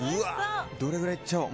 どれくらいいっちゃおう。